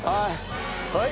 はい。